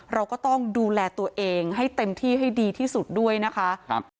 เราก็ต้องดูแลตัวเองให้เต็มที่ให้ดีที่สุดด้วยนะคะครับ